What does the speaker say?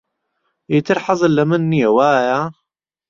ئیتر حەزت لە من نییە، وایە؟